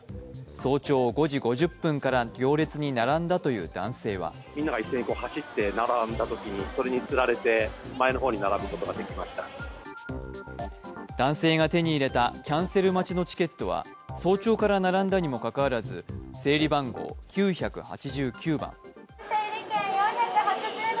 早朝５時５０分から行列に並んだという男性は男性が手に入れたキャンセル待ちのチケットは早朝から並んだにもかかわらず整理番号９８９番。